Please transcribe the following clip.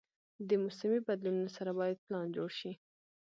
د موسمي بدلونونو سره باید پلان جوړ شي.